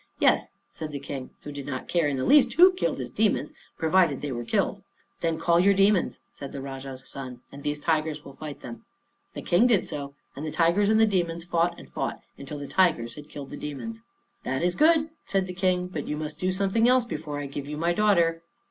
"Yes," said the King, who did not care in the least who killed his demons, provided they were killed. "Then call your demons," said the Rajah's son, "and these tigers will fight them." The King did so, and the tigers and the demons fought and fought until the tigers had killed the demons. "That is good," said the King. "But you must do something else before I give you my daughter.